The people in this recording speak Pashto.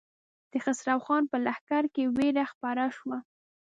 د خسرو خان په لښکر کې وېره خپره شوه.